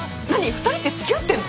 ２人ってつきあってんの？